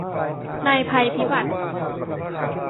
ในภัยพิบัติ